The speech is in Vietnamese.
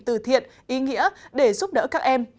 từ thiện ý nghĩa để giúp đỡ các em